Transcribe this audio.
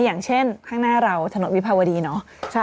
อย่างเช่นข้างหน้าเราถนนวิภาวดีเนาะ